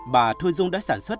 bà thu dung đã sản xuất